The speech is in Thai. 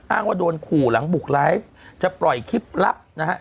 ว่าโดนขู่หลังบุกไลฟ์จะปล่อยคลิปลับนะฮะ